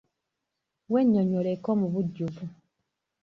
Wennyonnyoleko mu bujjuvu.